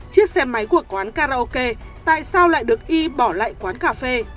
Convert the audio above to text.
chiếc xe máy của quán karaoke tại sao lại được y bỏ lại quán cà phê